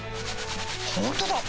ホントだ。